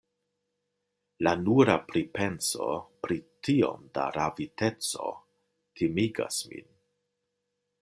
La nura pripenso pri tiom da raviteco timigas min.